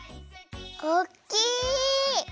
おっきい！